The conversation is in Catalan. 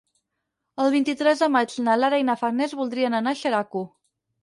El vint-i-tres de maig na Lara i na Farners voldrien anar a Xeraco.